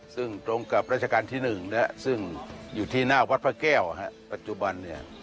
ซึ่งตรงกับราชการที่๑ซึ่งอยู่ที่หน้าวัดพระแก้วปัจจุบันเนี่ย